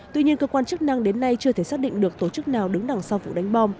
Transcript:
tuy nhiên cơ quan chức năng đến nay chưa thể xác định được tổ chức nào đứng đằng sau vụ đánh bom